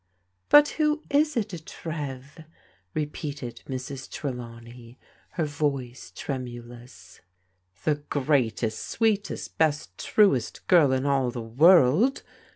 " But who is it, Trev? " repeated Mrs. Trelawney, her voice tremulous. "The greatest, sweetest, best, truest girl in all the world